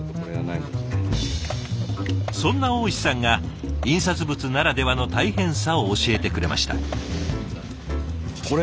そんな大石さんが印刷物ならではの大変さを教えてくれました。